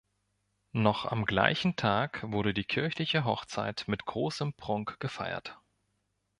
Noch am gleichen Tag wurde die kirchliche Hochzeit mit großem Prunk gefeiert.